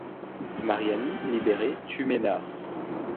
Mariani, libéré, tue Ménard.